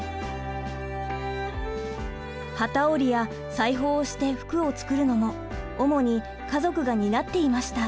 機織りや裁縫をして服を作るのも主に家族が担っていました。